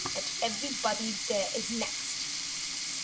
(And everybody there is next).